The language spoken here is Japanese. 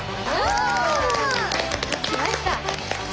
きました！